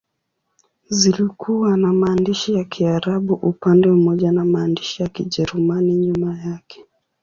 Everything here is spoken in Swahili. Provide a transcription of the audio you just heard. Zilikuwa na maandishi ya Kiarabu upande mmoja na maandishi ya Kijerumani nyuma yake.